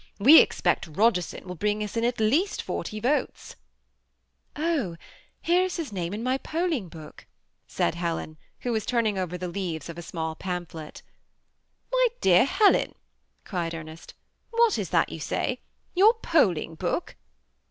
We expect Rogerson will bring us in at least fortj votes." <<0h! here is his name in mj polling book," said Helen, who was turning over the leaves of a small pamphlet. 260 THE 8raa*ATTACHBD C0TJPt4lL ^ Mj dear Helen," eried Ernest, <' wfa«t is tliat yon say ? yoor polling book